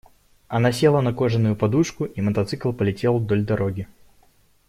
Она села на кожаную подушку, и мотоцикл полетел вдоль дороги.